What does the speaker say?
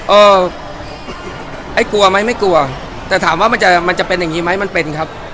เอ่อไอ้กลัวไหมไม่กลัวแต่ถามว่ามันจะมันจะเป็นอย่างงี้ไหมมันเป็นครับ